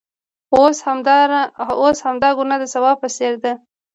اوس همدا ګناه د ثواب په څېر ده.